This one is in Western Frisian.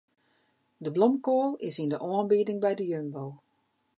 De blomkoal is yn de oanbieding by de Jumbo.